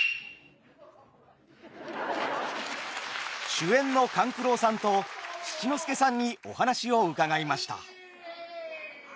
主演の勘九郎さんと七之助さんにお話を伺いました。